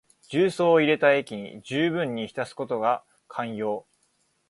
重曹を入れた液にじゅうぶんに浸すことが肝要。